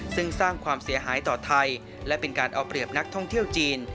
ซึ่งสร้างความเสียหายต่อไทยและเป็นการเอาเปรียบนักท่องเที่ยวจีน